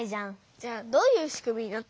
じゃあどういうしくみになってんの？